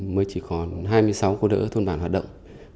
mới chỉ còn hai mươi sáu cô đỡ thôn bản hoạt động